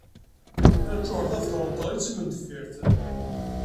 Nna Lǧuheṛ Tabetṛunt teɣli d timendeffirt.